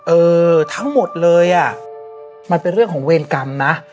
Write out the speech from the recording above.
เออทั้งหมดเลยอ่ะมันเป็นเรื่องของเวรกรรมนะ